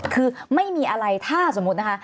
คือไม่มีอะไรถ้าสมมุตินะคะ